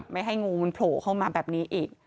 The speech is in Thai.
ไม่ให้งูมันโผล่เข้ามาแบบนี้อีก